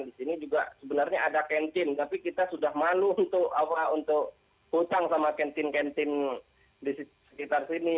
di sini juga sebenarnya ada kantin tapi kita sudah malu untuk hutang sama kantin kantin di sekitar sini